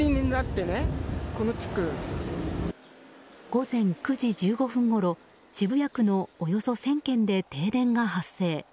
午前９時１５分ごろ渋谷区のおよそ１０００軒で停電が発生。